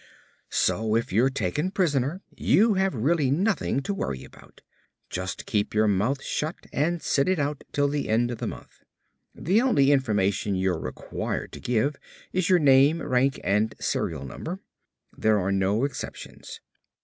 "So, if you're taken prisoner, you have really nothing to worry about. Just keep your mouth shut and sit it out till the end of the month. The only information you're required to give is your name, rank and serial number. There are no exceptions.